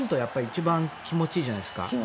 一番気持ちがいいじゃないですか。